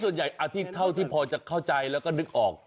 ส่วนใหญ่อาทิตย์เท่าที่พอจะเข้าใจแล้วก็นึกออก